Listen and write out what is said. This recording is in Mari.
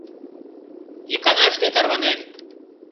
Иканаште тарванен!